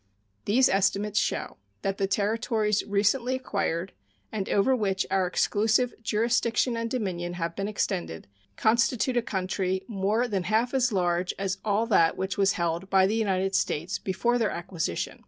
These estimates show that the territories recently acquired, and over which our exclusive jurisdiction and dominion have been extended, constitute a country more than half as large as all that which was held by the United States before their acquisition.